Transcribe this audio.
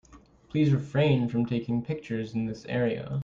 Please refrain from taking pictures in this area.